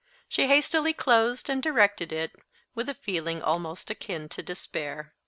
She hastily closed and directed it, with a feeling almost akin to despair.